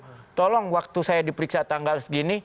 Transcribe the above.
dia bilang hakim tolong waktu saya diperiksa tanggal segini